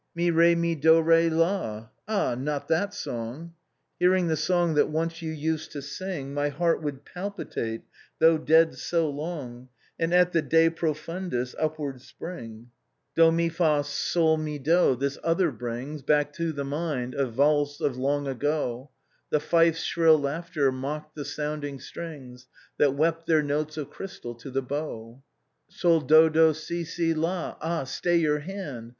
" Mi, re, mi, do, re, la, — ah ! not that song ! Hearing the song that once you used to sing My heart would palpitate — though dead so long—^ And, at the De Prof undis, upward spring. 313 THE BOHEMIANS OF THE LATIN QUARTER. " Do, mi, fa, sol, mi, do, — this other brings Back to the mind a valse of long ago. The fife's shrill laughter mocked the sounding strings That wept their notes of crystal to the bow. " Sol, do, do, si, si, la, — ah ! stay your hand